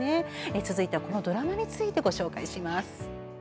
続いては、そのドラマについてご紹介します。